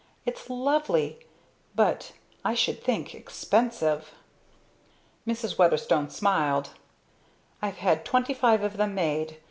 Its lovely, but I should think expensive!" Mrs. Weatherstone smiled. "I've had twenty five of them made.